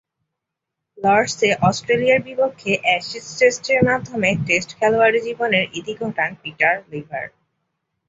লর্ডসে অস্ট্রেলিয়ার বিপক্ষে অ্যাশেজ টেস্টের মাধ্যমে টেস্ট খেলোয়াড়ী জীবনের ইতি ঘটান পিটার লিভার।